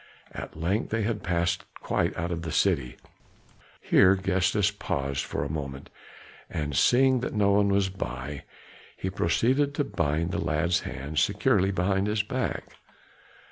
At length they had passed quite out of the city; here Gestas paused for a moment, and seeing that no one was by, he proceeded to bind the lad's hands securely behind his back.